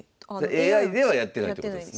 ＡＩではやってないってことですね。